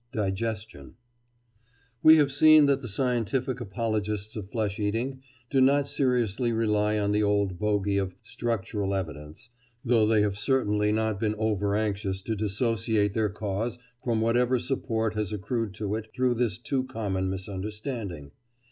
DIGESTION We have seen that the scientific apologists of flesh eating do not seriously rely on the old bogey of "structural evidence," though they have certainly not been over anxious to dissociate their cause from whatever support has accrued to it through this too common misunderstanding.